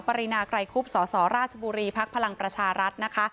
ปรินาไกรคุบสสราชบุรีภักดิ์พลังประชารัฐนะคะ